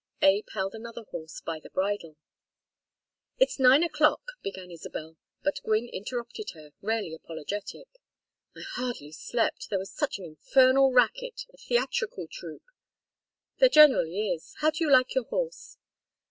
Abe held another horse by the bridle. "It is nine o'clock " began Isabel, but Gwynne interrupted her, rarely apologetic. "I hardly slept. There was such an infernal racket. A theatrical troupe " "There generally is. How do you like your horse?"